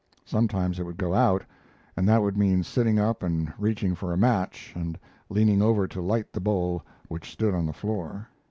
Sometimes it would go out, and that would mean sitting up and reaching for a match and leaning over to light the bowl which stood on the floor.